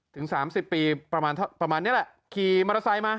ถึงสามสิบปีประมาณประมาณนี้แหละขี่มอเตอร์ไซค์มา